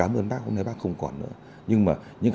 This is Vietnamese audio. dường trái trái xuống xe